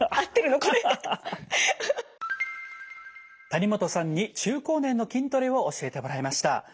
谷本さんに中高年の筋トレを教えてもらいました。